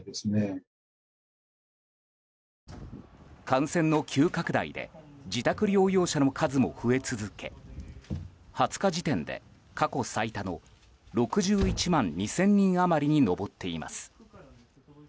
感染の急拡大で自宅療養者の数も増え続け２０日時点で過去最多の６１万２０００人余りに上っています。